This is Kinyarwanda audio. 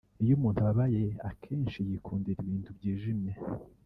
Iyo umuntu ababaye akenshi yikundira ibintu byijimye